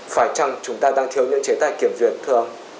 phải chăng chúng ta đang thiếu những chế tài kiểm duyệt thường